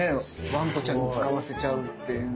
わんこちゃんに使わせちゃうっていう。